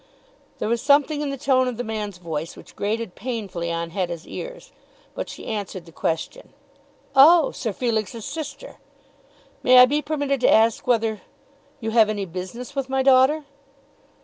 There was something in the tone of the man's voice which grated painfully on Hetta's ears, but she answered the question. "Oh; Sir Felix's sister! May I be permitted to ask whether you have any business with my daughter?"